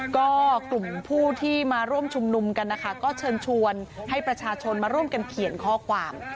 ก็กลุ่มผู้ที่มาร่วมชุมนุมกันนะคะก็เชิญชวนให้ประชาชนมาร่วมกันเขียนข้อความ